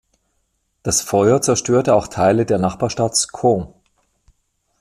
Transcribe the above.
Das Feuer zerstörte auch Teile der Nachbarstadt Sceaux.